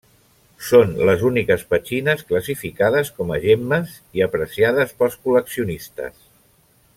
Són les úniques petxines classificades com a gemmes i apreciades pels col·leccionistes.